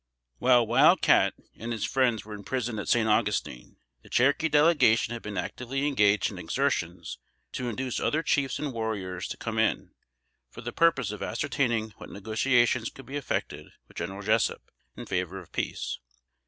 While Wild Cat and his friends were imprisoned at San Augustine, the Cherokee Delegation had been actively engaged in exertions to induce other chiefs and warriors to come in, for the purpose of ascertaining what negotiations could be effected with General Jessup in favor of peace.